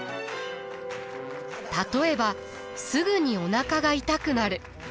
例えばすぐにおなかが痛くなる。